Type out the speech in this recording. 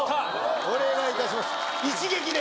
お願いいたします一撃で。